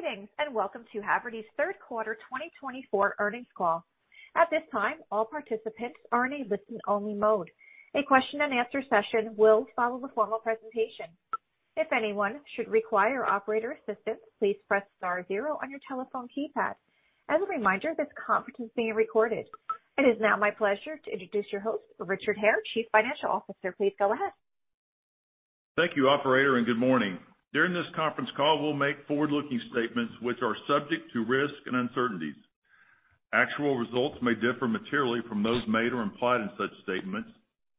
Greetings and welcome to Havertys third quarter 2024 earnings call. At this time, all participants are in a listen-only mode. A question-and-answer session will follow the formal presentation. If anyone should require operator assistance, please press star zero on your telephone keypad. As a reminder, this conference is being recorded. It is now my pleasure to introduce your host, Richard Hare, Chief Financial Officer. Please go ahead. Thank you, Operator, and good morning. During this conference call, we'll make forward-looking statements which are subject to risk and uncertainties. Actual results may differ materially from those made or implied in such statements,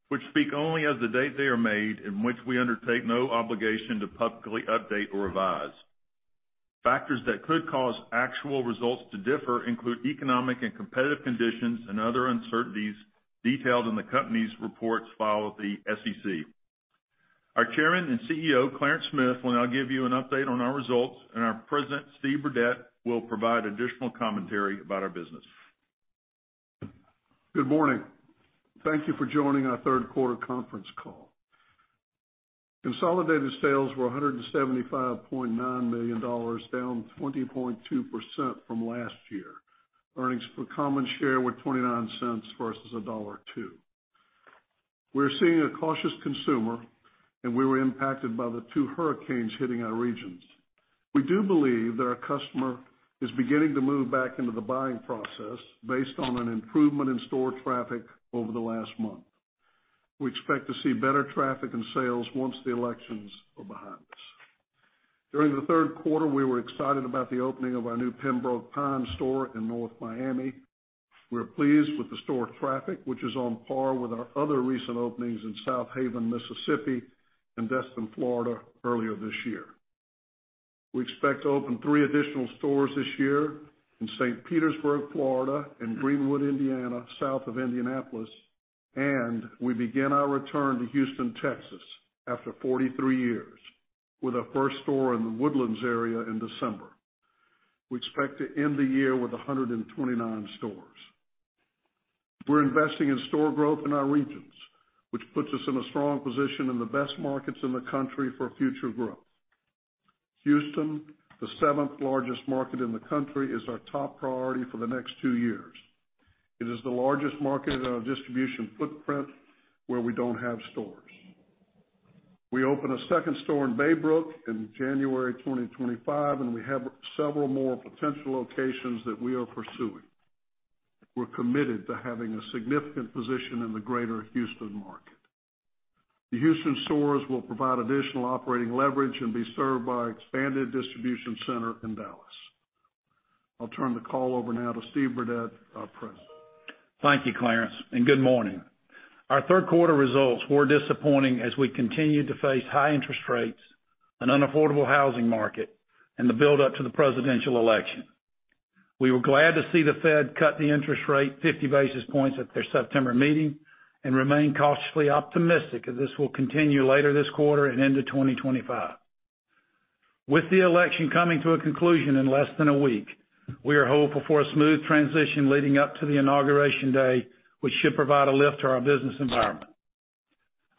which speak only as of the date they are made and which we undertake no obligation to publicly update or revise. Factors that could cause actual results to differ include economic and competitive conditions and other uncertainties detailed in the company's reports filed with the SEC. Our Chairman and CEO, Clarence Smith, will now give you an update on our results, and our President, Steve Burdette, will provide additional commentary about our business. Good morning. Thank you for joining our third quarter conference call. Consolidated sales were $175.9 million, down 20.2% from last year. Earnings per common share were $0.29 versus $1.02. We're seeing a cautious consumer, and we were impacted by the two hurricanes hitting our regions. We do believe that our customer is beginning to move back into the buying process based on an improvement in store traffic over the last month. We expect to see better traffic and sales once the elections are behind us. During the third quarter, we were excited about the opening of our new Pembroke Pines store in North Miami, Florida. We're pleased with the store traffic, which is on par with our other recent openings in Southaven, Mississippi, and Destin, Florida, earlier this year. We expect to open three additional stores this year in St. Petersburg, Florida, and Greenwood, Indiana, south of Indianapolis, and we begin our return to Houston, Texas, after 43 years, with our first store in The Woodlands area in December. We expect to end the year with 129 stores. We're investing in store growth in our regions, which puts us in a strong position in the best markets in the country for future growth. Houston, the seventh-largest market in the country, is our top priority for the next two years. It is the largest market in our distribution footprint where we don't have stores. We open a second store in Baybrook in January 2025, and we have several more potential locations that we are pursuing. We're committed to having a significant position in the greater Houston market. The Houston stores will provide additional operating leverage and be served by an expanded distribution center in Dallas. I'll turn the call over now to Steve Burdette, our President. Thank you, Clarence, and good morning. Our third quarter results were disappointing as we continue to face high interest rates, an unaffordable housing market, and the build-up to the presidential election. We were glad to see the Fed cut the interest rate 50 basis points at their September meeting and remain cautiously optimistic that this will continue later this quarter and into 2025. With the election coming to a conclusion in less than a week, we are hopeful for a smooth transition leading up to the Inauguration Day, which should provide a lift to our business environment.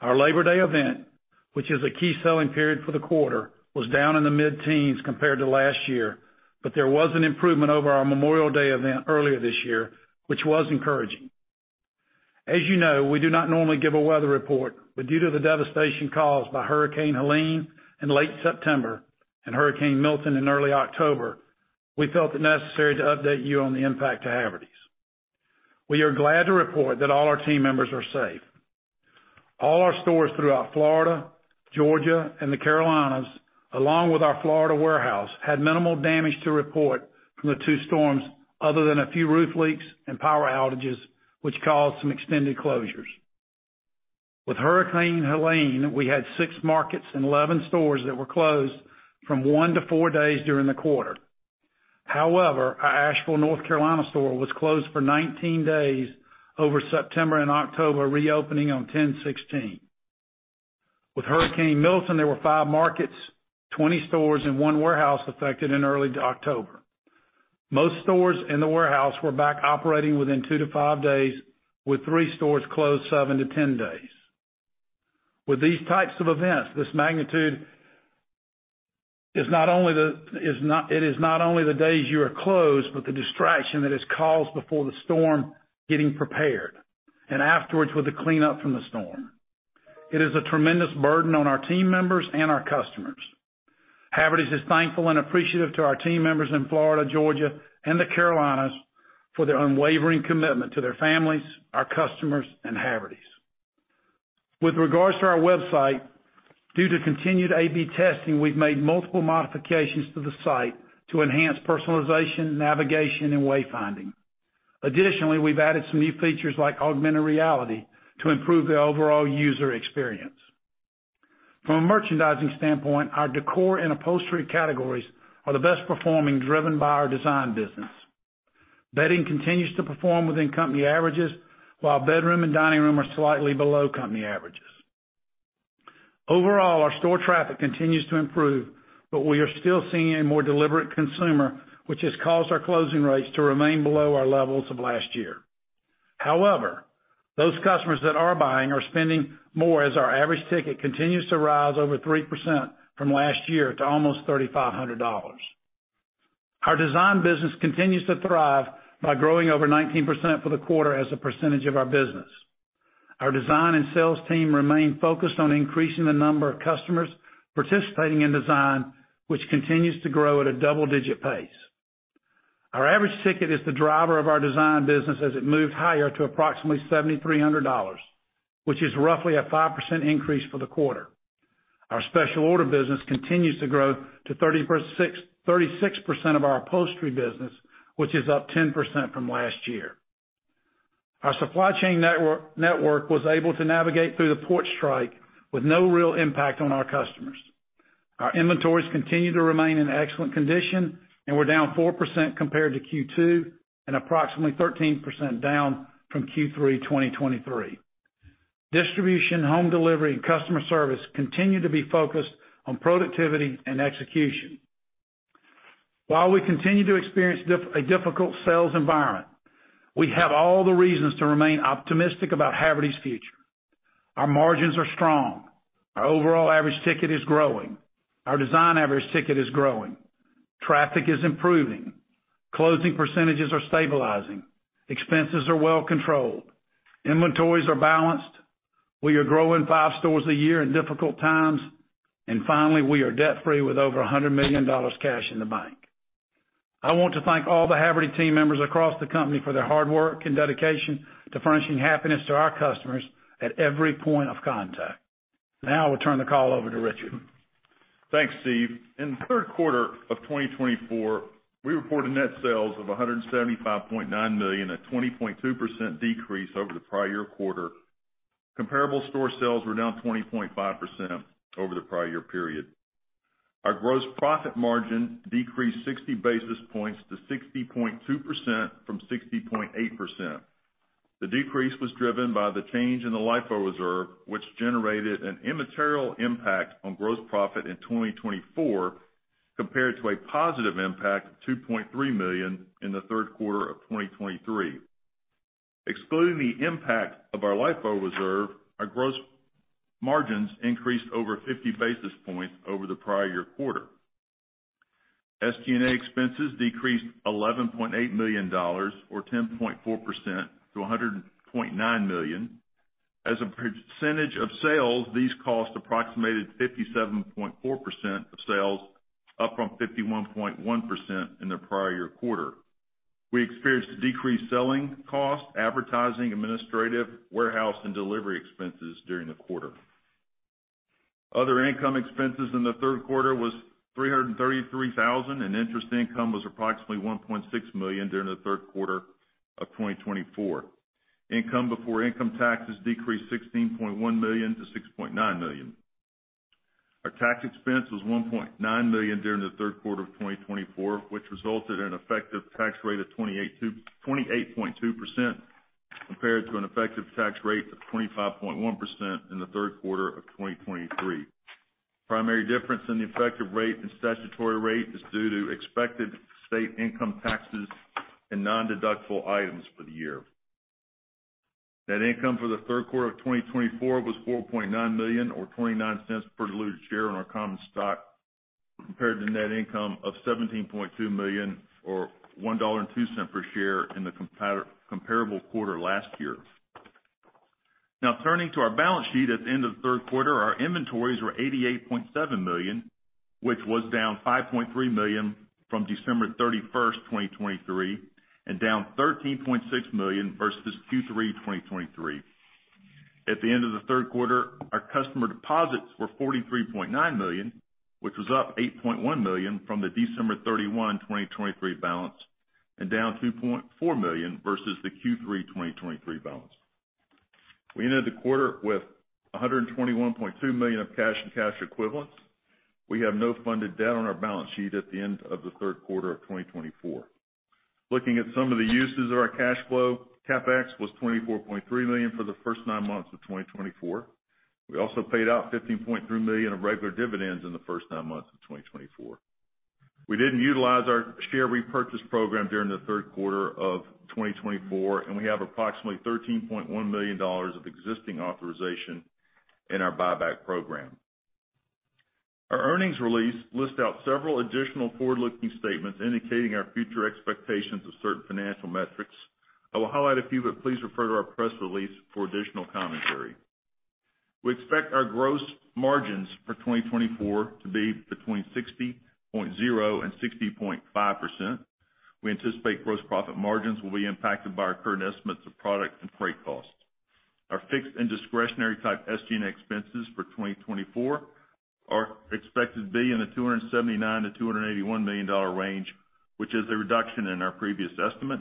Our Labor Day event, which is a key selling period for the quarter, was down in the mid-teens compared to last year, but there was an improvement over our Memorial Day event earlier this year, which was encouraging. As you know, we do not normally give a weather report, but due to the devastation caused by Hurricane Helene in late September and Hurricane Milton in early October, we felt it necessary to update you on the impact to Havertys. We are glad to report that all our team members are safe. All our stores throughout Florida, Georgia, and the Carolinas, along with our Florida warehouse, had minimal damage to report from the two storms other than a few roof leaks and power outages, which caused some extended closures. With Hurricane Helene, we had six markets and 11 stores that were closed from one to four days during the quarter. However, our Asheville, North Carolina, store was closed for 19 days over September and October, reopening on 10/16. With Hurricane Milton, there were five markets, 20 stores, and one warehouse affected in early October. Most stores and the warehouse were back operating within two to five days, with three stores closed seven to 10 days. With these types of events, this magnitude, it is not only the days you are closed, but the distraction that is caused before the storm getting prepared and afterwards with the cleanup from the storm. It is a tremendous burden on our team members and our customers. Havertys is thankful and appreciative to our team members in Florida, Georgia, and the Carolinas for their unwavering commitment to their families, our customers, and Havertys. With regards to our website, due to continued A/B testing, we've made multiple modifications to the site to enhance personalization, navigation, and wayfinding. Additionally, we've added some new features like augmented reality to improve the overall user experience. From a merchandising standpoint, our decor and upholstery categories are the best performing, driven by our design business. Bedding continues to perform within company averages, while bedroom and dining room are slightly below company averages. Overall, our store traffic continues to improve, but we are still seeing a more deliberate consumer, which has caused our closing rates to remain below our levels of last year. However, those customers that are buying are spending more as our average ticket continues to rise over 3% from last year to almost $3,500. Our design business continues to thrive by growing over 19% for the quarter as a percentage of our business. Our design and sales team remain focused on increasing the number of customers participating in design, which continues to grow at a double-digit pace. Our average ticket is the driver of our design business as it moved higher to approximately $7,300, which is roughly a 5% increase for the quarter. Our special order business continues to grow to 36% of our upholstery business, which is up 10% from last year. Our supply chain network was able to navigate through the port strike with no real impact on our customers. Our inventories continue to remain in excellent condition, and we're down 4% compared to Q2 and approximately 13% down from Q3 2023. Distribution, home delivery, and customer service continue to be focused on productivity and execution. While we continue to experience a difficult sales environment, we have all the reasons to remain optimistic about Havertys future. Our margins are strong. Our overall average ticket is growing. Our design average ticket is growing. Traffic is improving. Closing percentages are stabilizing. Expenses are well controlled. Inventories are balanced. We are growing five stores a year in difficult times. And finally, we are debt-free with over $100 million cash in the bank. I want to thank all the Haverty team members across the company for their hard work and dedication to furnishing happiness to our customers at every point of contact. Now I will turn the call over to Richard. Thanks, Steve. In the third quarter of 2024, we reported net sales of $175.9 million, a 20.2% decrease over the prior year quarter. Comparable store sales were down 20.5% over the prior year period. Our gross profit margin decreased 60 basis points to 60.2% from 60.8%. The decrease was driven by the change in the LIFO reserve, which generated an immaterial impact on gross profit in 2024 compared to a positive impact of $2.3 million in the third quarter of 2023. Excluding the impact of our LIFO reserve, our gross margins increased over 50 basis points over the prior year quarter. SG&A expenses decreased $11.8 million, or 10.4%, to $100.9 million. As a percentage of sales, these costs approximated 57.4% of sales, up from 51.1% in the prior year quarter. We experienced decreased selling costs, advertising, administrative, warehouse, and delivery expenses during the quarter. Other income expenses in the third quarter were $333,000, and interest income was approximately $1.6 million during the third quarter of 2024. Income before income taxes decreased $16.1 million to $6.9 million. Our tax expense was $1.9 million during the third quarter of 2024, which resulted in an effective tax rate of 28.2% compared to an effective tax rate of 25.1% in the third quarter of 2023. Primary difference in the effective rate and statutory rate is due to expected state income taxes and non-deductible items for the year. Net income for the third quarter of 2024 was $4.9 million, or $0.29 per diluted share in our common stock, compared to net income of $17.2 million, or $1.02 per share in the comparable quarter last year. Now, turning to our balance sheet at the end of the third quarter, our inventories were $88.7 million, which was down $5.3 million from December 31st, 2023, and down $13.6 million versus Q3 2023. At the end of the third quarter, our customer deposits were $43.9 million, which was up $8.1 million from the December 31, 2023 balance, and down $2.4 million versus the Q3 2023 balance. We ended the quarter with $121.2 million of cash and cash equivalents. We have no funded debt on our balance sheet at the end of the third quarter of 2024. Looking at some of the uses of our cash flow, CapEx was $24.3 million for the first nine months of 2024. We also paid out $15.3 million of regular dividends in the first nine months of 2024. We didn't utilize our share repurchase program during the third quarter of 2024, and we have approximately $13.1 million of existing authorization in our buyback program. Our earnings release lists out several additional forward-looking statements indicating our future expectations of certain financial metrics. I will highlight a few, but please refer to our press release for additional commentary. We expect our gross margins for 2024 to be between 60.0% and 60.5%. We anticipate gross profit margins will be impacted by our current estimates of product and freight costs. Our fixed and discretionary-type SG&A expenses for 2024 are expected to be in the $279 million-$281 million range, which is a reduction in our previous estimate.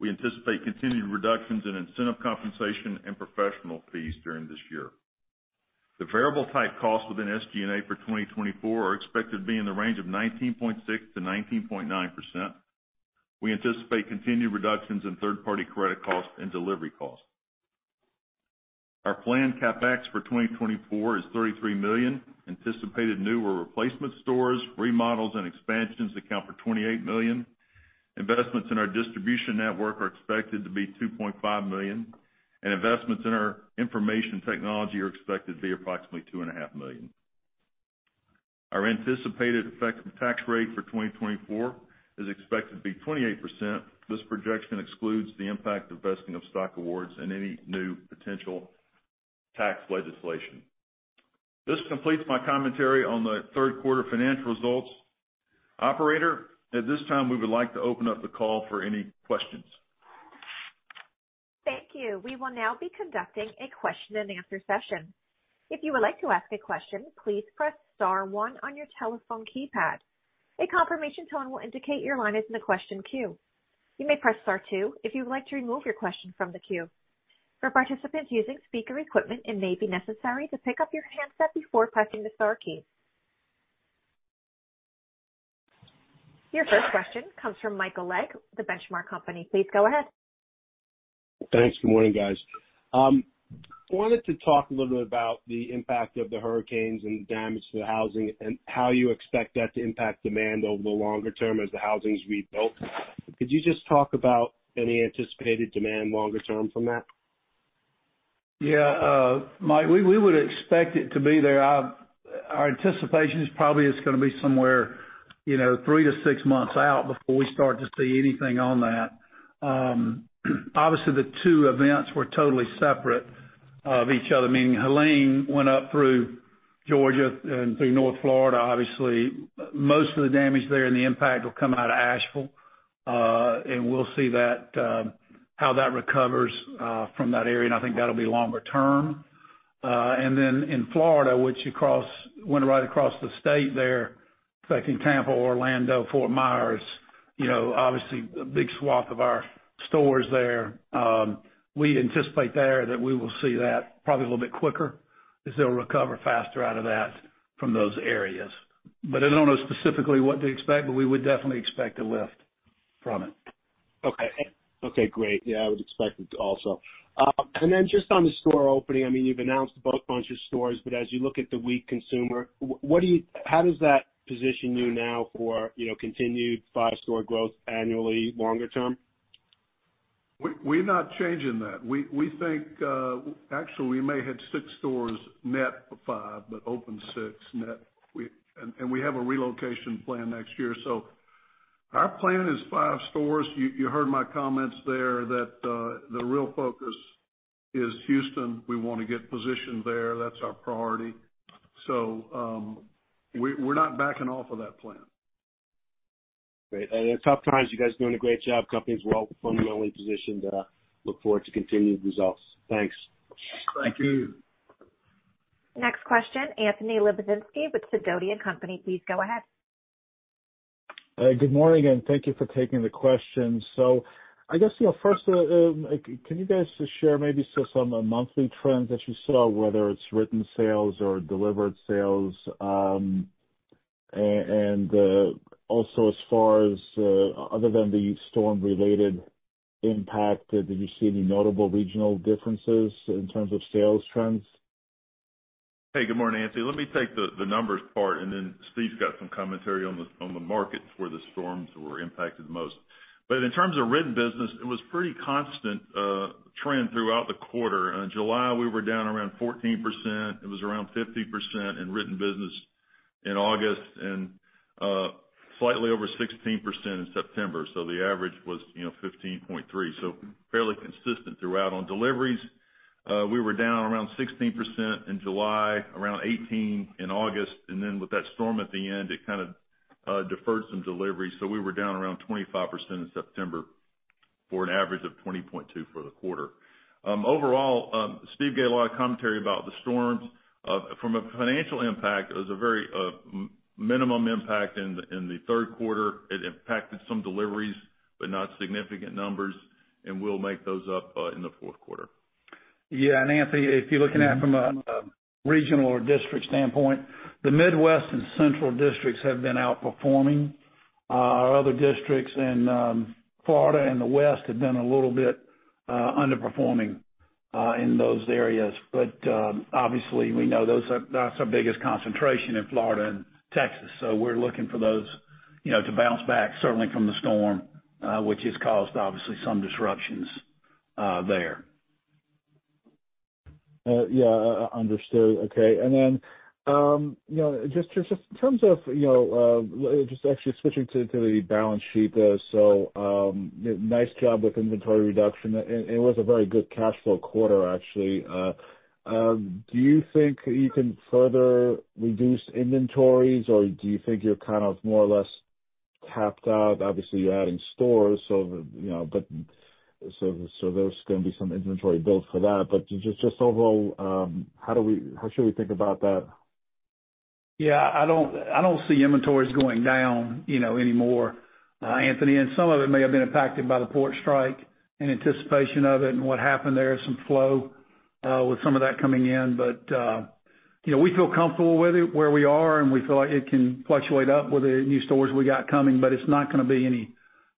We anticipate continued reductions in incentive compensation and professional fees during this year. The variable-type costs within SG&A for 2024 are expected to be in the range of 19.6%-19.9%. We anticipate continued reductions in third-party credit costs and delivery costs. Our planned CapEx for 2024 is $33 million. Anticipated new or replacement stores, remodels, and expansions account for $28 million. Investments in our distribution network are expected to be $2.5 million, and investments in our information technology are expected to be approximately $2.5 million. Our anticipated effective tax rate for 2024 is expected to be 28%. This projection excludes the impact of vesting of stock awards and any new potential tax legislation. This completes my commentary on the third quarter financial results. Operator, at this time, we would like to open up the call for any questions. Thank you. We will now be conducting a question-and-answer session. If you would like to ask a question, please press star one on your telephone keypad. A confirmation tone will indicate your line is in the question queue. You may press star two if you would like to remove your question from the queue. For participants using speaker equipment, it may be necessary to pick up your handset before pressing the star key. Your first question comes from Michael Legg, The Benchmark Company. Please go ahead. Thanks. Good morning, guys. I wanted to talk a little bit about the impact of the hurricanes and the damage to the housing and how you expect that to impact demand over the longer term as the housing's rebuilt. Could you just talk about any anticipated demand longer term from that? Yeah. We would expect it to be there. Our anticipation is probably it's going to be somewhere three to six months out before we start to see anything on that. Obviously, the two events were totally separate of each other, meaning Helene went up through Georgia and through North Florida. Obviously, most of the damage there and the impact will come out of Asheville, and we'll see how that recovers from that area, and I think that'll be longer term, and then in Florida, which went right across the state there, affecting Tampa, Orlando, Fort Myers, obviously a big swath of our stores there, we anticipate there that we will see that probably a little bit quicker because they'll recover faster out of that from those areas, but I don't know specifically what to expect, but we would definitely expect a lift from it. Okay. Okay. Great. Yeah, I would expect it also. And then just on the store opening, I mean, you've announced a bunch of stores, but as you look at the weak consumer, how does that position you now for continued five-store growth annually longer term? We're not changing that. We think, actually, we may have six stores net five, but open six net. And we have a relocation plan next year. So our plan is five stores. You heard my comments there that the real focus is Houston. We want to get positioned there. That's our priority. So we're not backing off of that plan. Great. And in tough times, you guys are doing a great job. The company's well fundamentally positioned. Look forward to continued results. Thanks. Thank you. Next question, Anthony Lebiedzinski with Sidoti & Company. Please go ahead. Good morning and thank you for taking the question. So I guess first, can you guys share maybe some monthly trends that you saw, whether it's written sales or delivered sales? And also as far as other than the storm-related impact, did you see any notable regional differences in terms of sales trends? Hey, good morning, Anthony. Let me take the numbers part, and then Steve's got some commentary on the markets where the storms were impacted the most. But in terms of written business, it was a pretty constant trend throughout the quarter. In July, we were down around 14%. It was around 50% in written business in August and slightly over 16% in September. So the average was 15.3%. So fairly consistent throughout. On deliveries, we were down around 16% in July, around 18% in August. And then with that storm at the end, it kind of deferred some deliveries. So we were down around 25% in September for an average of 20.2% for the quarter. Overall, Steve gave a lot of commentary about the storms. From a financial impact, it was a very minimum impact in the third quarter. It impacted some deliveries, but not significant numbers, and we'll make those up in the fourth quarter. Yeah. And Anthony, if you're looking at it from a regional or district standpoint, the Midwest and Central districts have been outperforming our other districts. And Florida and the West have been a little bit underperforming in those areas. But obviously, we know that's our biggest concentration in Florida and Texas. So we're looking for those to bounce back, certainly from the storm, which has caused, obviously, some disruptions there. Yeah. Understood. Okay. And then just in terms of just actually switching to the balance sheet, so nice job with inventory reduction. It was a very good cash flow quarter, actually. Do you think you can further reduce inventories, or do you think you're kind of more or less tapped out? Obviously, you're adding stores, but so there's going to be some inventory built for that. But just overall, how should we think about that? Yeah. I don't see inventories going down anymore, Anthony. And some of it may have been impacted by the port strike in anticipation of it and what happened there, some flow with some of that coming in. But we feel comfortable with it where we are, and we feel like it can fluctuate up with the new stores we got coming, but it's not going to be any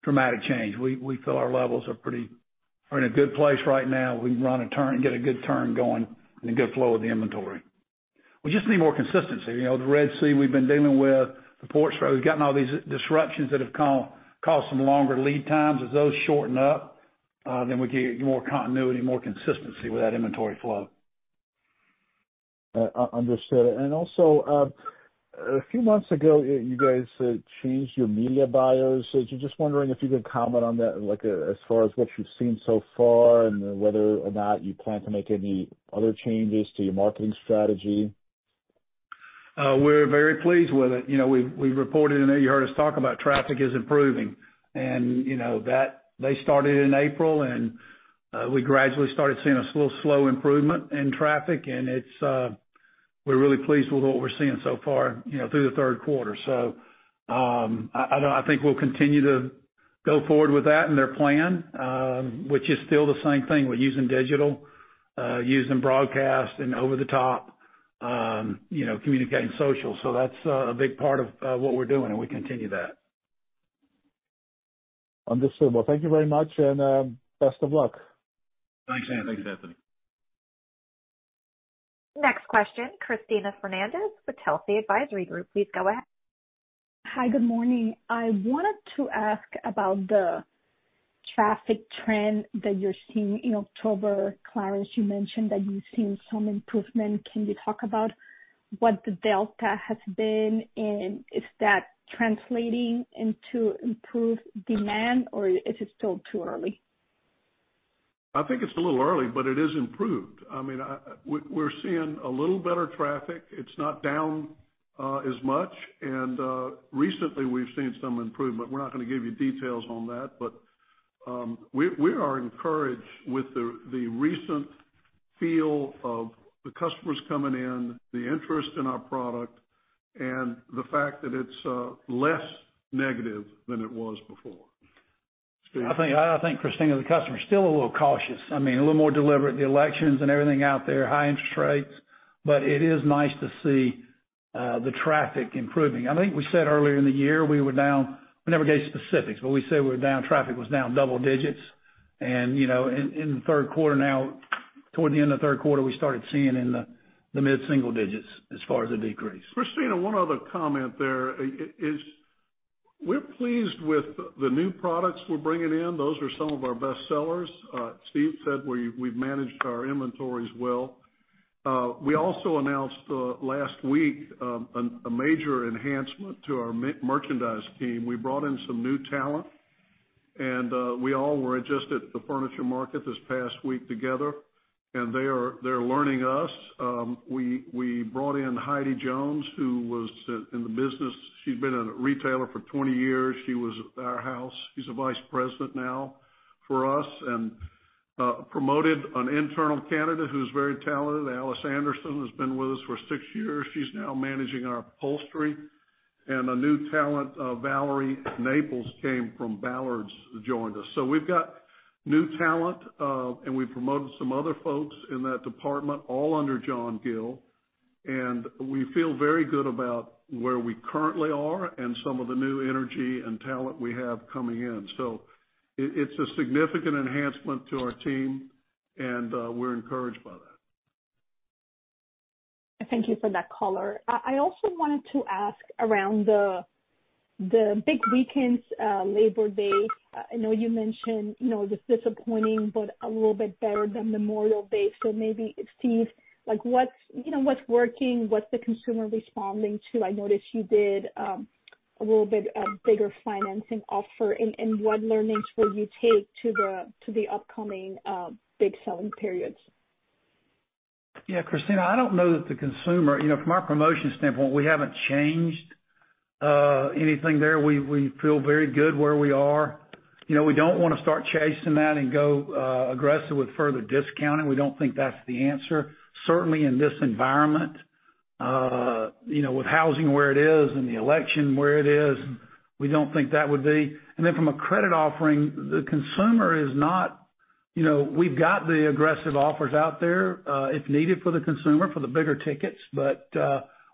dramatic change. We feel our levels are in a good place right now. We can run a turn and get a good turn going and a good flow of the inventory. We just need more consistency. The Red Sea we've been dealing with, the port strike, we've gotten all these disruptions that have caused some longer lead times. As those shorten up, then we can get more continuity, more consistency with that inventory flow. Understood. And also, a few months ago, you guys changed your media buyers. Just wondering if you could comment on that as far as what you've seen so far and whether or not you plan to make any other changes to your marketing strategy. We're very pleased with it. We reported in there. You heard us talk about traffic is improving, and they started in April, and we gradually started seeing a little slow improvement in traffic. We're really pleased with what we're seeing so far through the third quarter, so I think we'll continue to go forward with that and their plan, which is still the same thing with using digital, using broadcast, and over-the-top communicating social. That's a big part of what we're doing, and we continue that. Understood. Well, thank you very much, and best of luck. Thanks, Anthony. Next question, Cristina Fernández with Telsey Advisory Group. Please go ahead. Hi, good morning. I wanted to ask about the traffic trend that you're seeing in October. Clarence, you mentioned that you've seen some improvement. Can you talk about what the delta has been? And is that translating into improved demand, or is it still too early? I think it's a little early, but it is improved. I mean, we're seeing a little better traffic. It's not down as much, and recently, we've seen some improvement. We're not going to give you details on that, but we are encouraged with the recent feel of the customers coming in, the interest in our product, and the fact that it's less negative than it was before. I think, Cristina, the customer is still a little cautious. I mean, a little more deliberate. The elections and everything out there, high interest rates, but it is nice to see the traffic improving. I think we said earlier in the year we were down. We never gave specifics, but we said we were down. Traffic was down double digits. And in the third quarter now, toward the end of the third quarter, we started seeing in the mid-single digits as far as a decrease. Cristina, one other comment there is we're pleased with the new products we're bringing in. Those are some of our best sellers. Steve said we've managed our inventories well. We also announced last week a major enhancement to our merchandise team. We brought in some new talent, and we all were just at the furniture market this past week together, and they're learning us. We brought in Heidi Jones, who was in the business. She's been a retailer for 20 years. She was at Arhaus. She's a Vice President now for us and promoted an internal candidate who's very talented. Alice Anderson has been with us for six years. She's now managing our upholstery, and a new talent, Valerie Naples, came from Ballard's and joined us. So we've got new talent, and we promoted some other folks in that department, all under John Gill. We feel very good about where we currently are and some of the new energy and talent we have coming in. It's a significant enhancement to our team, and we're encouraged by that. Thank you for that color. I also wanted to ask around the big weekends, Labor Day. I know you mentioned it was disappointing, but a little bit better than Memorial Day. So maybe, Steve, what's working? What's the consumer responding to? I noticed you did a little bit bigger financing offer, and what learnings will you take to the upcoming big selling periods? Yeah. Cristina, I don't know that the consumer, from our promotion standpoint, we haven't changed anything there. We feel very good where we are. We don't want to start chasing that and go aggressive with further discounting. We don't think that's the answer. Certainly, in this environment, with housing where it is and the election where it is, we don't think that would be. And then from a credit offering, the consumer is not. We've got the aggressive offers out there if needed for the consumer for the bigger tickets, but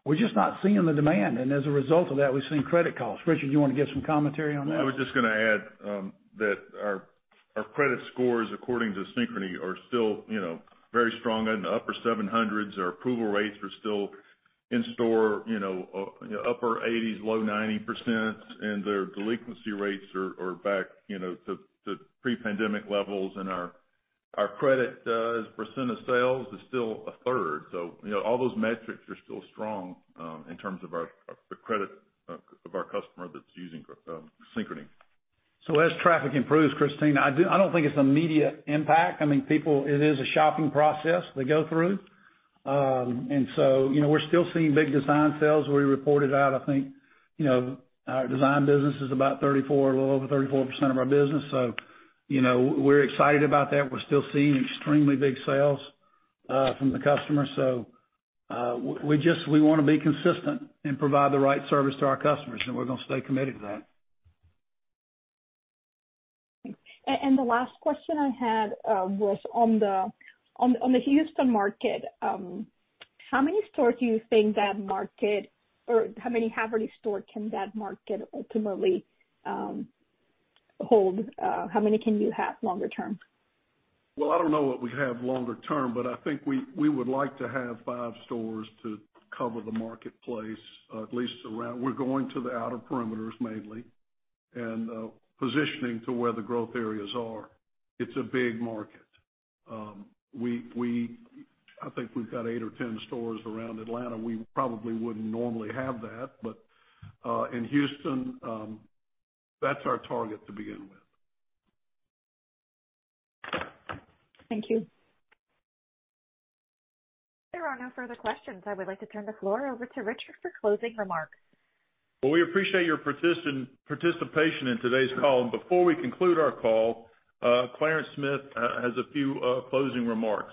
we're just not seeing the demand. And as a result of that, we've seen credit costs. Richard, do you want to give some commentary on that? I was just going to add that our credit scores, according to Synchrony, are still very strong in the upper 700s. Our approval rates are still in store, upper 80s, low 90%. And their delinquency rates are back to pre-pandemic levels, and our credit percent of sales is still a third, so all those metrics are still strong in terms of the credit of our customer that's using Synchrony. So as traffic improves, Cristina, I don't think it's a media impact. I mean, it is a shopping process they go through. And so we're still seeing big design sales. We reported out, I think our design business is about 34%, a little over 34% of our business. So we're excited about that. We're still seeing extremely big sales from the customer. So we want to be consistent and provide the right service to our customers, and we're going to stay committed to that. The last question I had was on the Houston market. How many stores do you think that market, or how many Havertys stores can that market ultimately hold? How many can you have longer term? I don't know what we have longer term, but I think we would like to have five stores to cover the marketplace, at least around. We're going to the outer perimeters mainly and positioning to where the growth areas are. It's a big market. I think we've got eight or 10 stores around Atlanta. We probably wouldn't normally have that. But in Houston, that's our target to begin with. Thank you. There are no further questions. I would like to turn the floor over to Richard for closing remarks. We appreciate your participation in today's call. Before we conclude our call, Clarence Smith has a few closing remarks.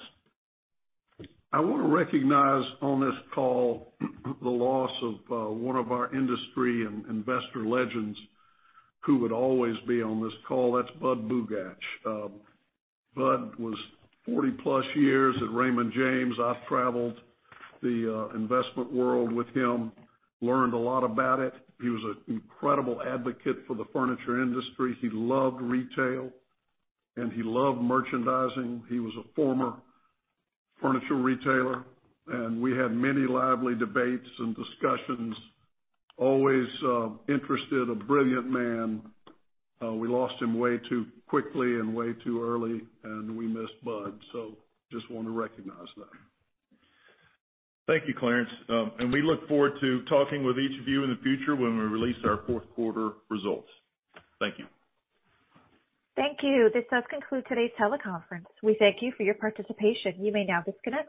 I want to recognize on this call the loss of one of our industry and investor legends who would always be on this call. That's Budd Bugatch. Budd was 40+ years at Raymond James. I've traveled the investment world with him, learned a lot about it. He was an incredible advocate for the furniture industry. He loved retail, and he loved merchandising. He was a former furniture retailer, and we had many lively debates and discussions. Always interested, a brilliant man. We lost him way too quickly and way too early, and we missed Budd. So just want to recognize that. Thank you, Clarence. And we look forward to talking with each of you in the future when we release our fourth quarter results. Thank you. Thank you. This does conclude today's teleconference. We thank you for your participation. You may now disconnect.